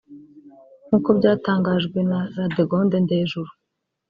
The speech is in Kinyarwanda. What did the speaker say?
nk’uko byatangajwe na Ladegonde Ndejuru